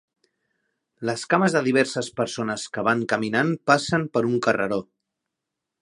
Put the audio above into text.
Les cames de diverses persones que van caminant passen per un carreró.